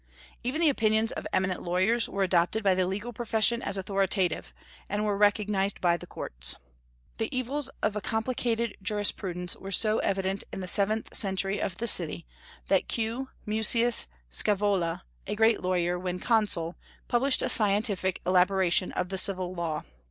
Even the opinions of eminent lawyers were adopted by the legal profession as authoritative, and were recognized by the courts. The evils of a complicated jurisprudence were so evident in the seventh century of the city, that Q. Mucius Scaevola, a great lawyer, when consul, published a scientific elaboration of the civil law.